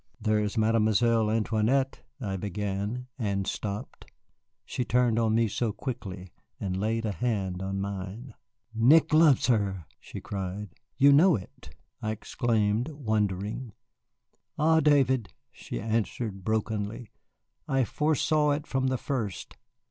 "There is Mademoiselle Antoinette " I began, and stopped, she turned on me so quickly and laid a hand on mine. "Nick loves her!" she cried. "You know it!" I exclaimed, wondering. "Ah, David," she answered brokenly, "I foresaw it from the first.